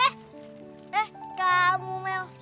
eh eh kamu mel